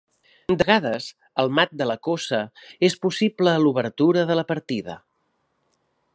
De vegades, el mat de la coça és possible a l'obertura de la partida.